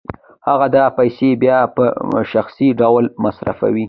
هغه دا پیسې بیا په شخصي ډول مصرفوي